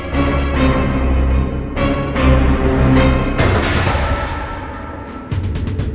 masya allah apa ini